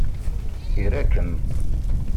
Ira-kem!